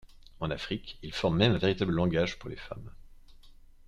En Afrique, ils forment même un véritable langage pour les femmes.